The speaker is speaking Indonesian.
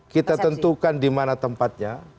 kita tentukan dimana tempatnya